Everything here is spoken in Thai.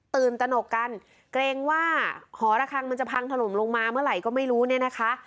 ตนกกันเกรงว่าหอระคังมันจะพังถล่มลงมาเมื่อไหร่ก็ไม่รู้เนี่ยนะคะ